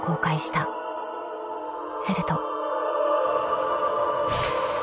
［すると］